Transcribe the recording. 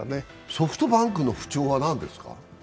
ソフトバンクの不調は何ですか？